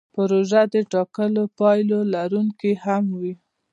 پروژه د ټاکلو پایلو لرونکې هم وي.